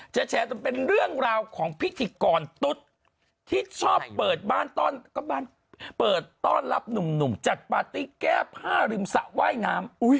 แชร์จนเป็นเรื่องราวของพิธีกรตุ๊ดที่ชอบเปิดบ้านก็บ้านเปิดต้อนรับหนุ่มจัดปาร์ตี้แก้ผ้าริมสระว่ายน้ำ